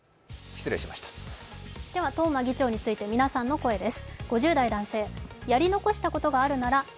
東間議長について皆さんの声です。